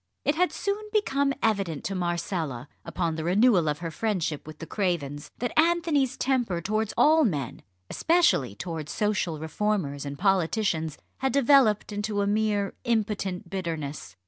It had soon become evident to Marcella, upon the renewal of her friendship with the Cravens, that Anthony's temper towards all men, especially towards social reformers and politicians, had developed into a mere impotent bitterness.